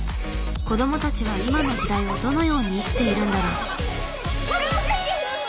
子どもたちは今の時代をどのように生きているんだろう。